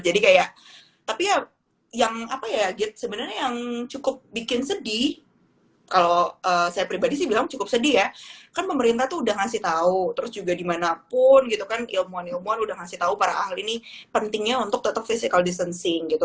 jadi kayak tapi ya yang apa ya git sebenernya yang cukup bikin sedih kalo saya pribadi sih bilang cukup sedih ya kan pemerintah tuh udah ngasih tau terus juga dimanapun gitu kan ilmuwan ilmuwan udah ngasih tau para ahli nih pentingnya untuk tetep physical distancing gitu